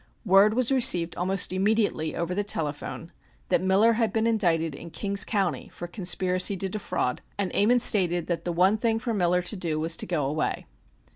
Word was received almost immediately over the telephone that Miller had been indicted in Kings County for conspiracy to defraud, and Ammon stated that the one thing for Miller to do was to go away.